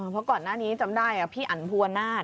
เพราะก่อนหน้านี้จำได้พี่อันภูวนาศ